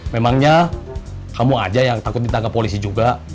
memangnya kamu aja yang takut ditangkap polisi juga